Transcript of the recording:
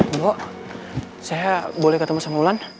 mbok saya boleh ketemu sama ulan